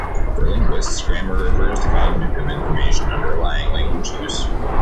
For linguists, grammar refers to cognitive information underlying language use.